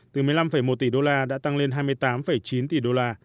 từ một mươi năm một tỷ usd đã tăng lên hai mươi tám chín tỷ usd